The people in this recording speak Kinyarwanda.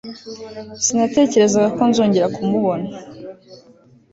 Sinatekerezaga ko nzongera kumubona